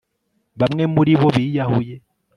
bamwe muribo biyahuye